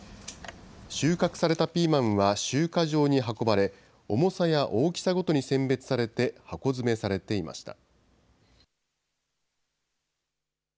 収穫されたピーマンは集荷場に運ばれ、重さや大きさごとに選別されて箱詰めされていました。